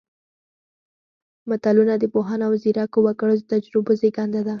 متلونه د پوهانو او ځیرکو وګړو د تجربو زېږنده ده